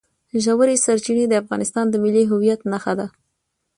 ژورې سرچینې د افغانستان د ملي هویت نښه ده.